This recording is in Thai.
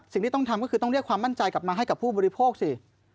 สิ่งที่ต้องทำก็คือต้องเรียกความมั่นใจกลับมาให้กับผู้บริโภคสิ